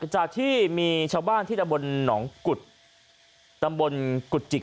จากที่มีชาวบ้านที่ตะบนหนองกุฎตำบลกุจิก